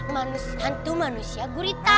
maksudnya hantu manusia gurita